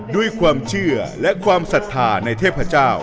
ด้วยความเชื่อและความศรัทธาในเทพเจ้า